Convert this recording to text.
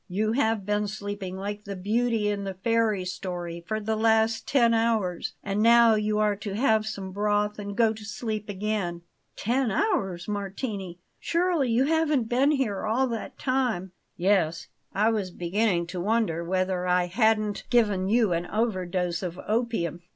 "You have been sleeping like the beauty in the fairy story for the last ten hours; and now you are to have some broth and go to sleep again." "Ten hours! Martini, surely you haven't been here all that time?" "Yes; I was beginning to wonder whether I hadn't given you an overdose of opium."